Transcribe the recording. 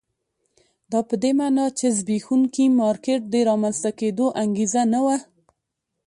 دا په دې معنی چې د زبېښونکي مارکېټ د رامنځته کېدو انګېزه نه وه.